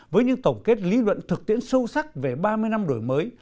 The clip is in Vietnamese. với những tổng kết lý luận thực tiễn sâu sắc về ba mươi năm đổi mới